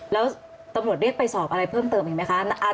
แล้วตำรวจเรียกไปสอบอะไรเพิ่มเติมอีกไหมคะ